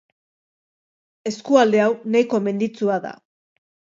Eskualde hau nahiko menditsua da.